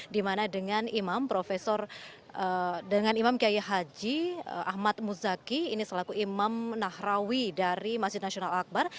di mana dengan imam profesor dengan imam qiyai haji ahmad muzaki ini selaku imam nahrawi dari masjid nasional al akbar